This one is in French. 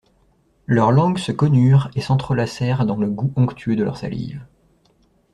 Leurs langues se connurent et s'entrelacèrent dans le goût onctueux de leurs salives.